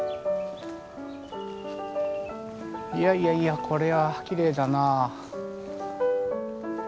いやいやいやこれはきれいだな。